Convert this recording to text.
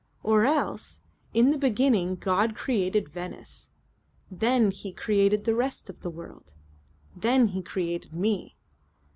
Or else: 'In the beginning God created Venice. Then He created the rest of the world. Then He created Me.